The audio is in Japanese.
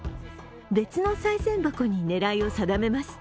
別のさい銭箱に狙いを定めます。